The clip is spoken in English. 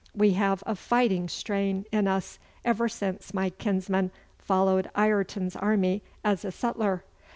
We have a fighting strain in us ever since my kinsman followed Ireton's army as a sutler.